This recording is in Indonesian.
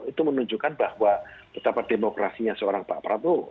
itu menunjukkan bahwa betapa demokrasinya seorang pak prabowo